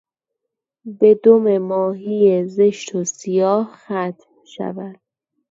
به دم ماهی زشت و سیاه ختم شود